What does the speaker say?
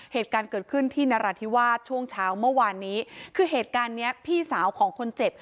เหตุการณ์เกิดขึ้นที่นราธิวาสช่วงเช้าเมื่อวานนี้คือเหตุการณ์เนี้ยพี่สาวของคนเจ็บ